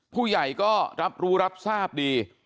ผู้ใหญ่ก็รับรู้รับทราบดี